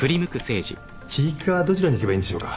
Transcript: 地域課はどちらに行けばいいんでしょうか？